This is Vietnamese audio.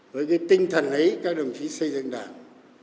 với cái tinh thần ấy các đồng chí xây dựng đảng